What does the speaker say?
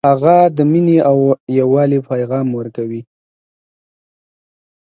هغه د مینې او یووالي پیغام ورکوي